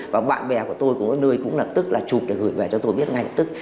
và bạn bè của tôi cũng có nơi cũng lập tức là chụp để gửi về cho tôi biết ngay lập tức